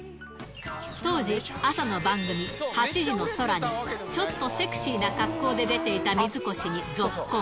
当時、朝の番組、８時の空に、ちょっとセクシーな格好で出ていた水越にぞっこん。